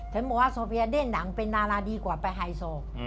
บอกว่าโซเบียเล่นหนังเป็นดาราดีกว่าไปไฮโซ